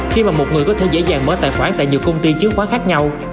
khi mà một người có thể dễ dàng mở tài khoản tại nhiều công ty chứng khoán khác nhau